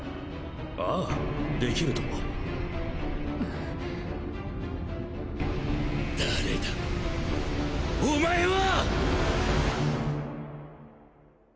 ああできるとも誰だおまえは！！